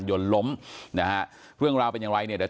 หยนลลลมนะฮะเรื่องราวเป็นยังไหร่เนี้ย